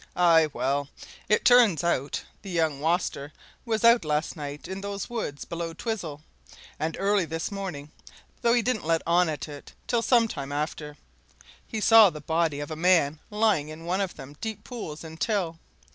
Aye, well, it turns out the young waster was out last night in those woods below Twizel, and early this morning though he didn't let on at it till some time after he saw the body of a man lying in one of them deep pools in Till.